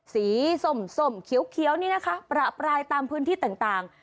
สีสมสมเขียวเขียวนี่นะคะประปรายตามพื้นที่ต่างต่าง